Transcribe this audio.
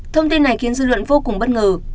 thông tin này khiến dư luận vô cùng bất ngờ